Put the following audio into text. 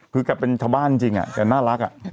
คือกับเป็นชาวบ้านจริงอะน่ารักอะ